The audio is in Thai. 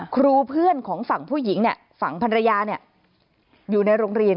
ครูเพื่อนของฝั่งผู้หญิงฝั่งภรรยาอยู่ในโรงเรียน